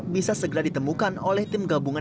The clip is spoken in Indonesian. bisa segera ditemukan oleh tim gabungan